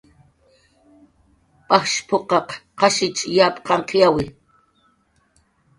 "Pajsh p""uqaq qashich yap qanqyawi "